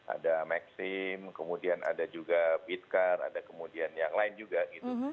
ada maxim kemudian ada juga bit car ada kemudian yang lain juga gitu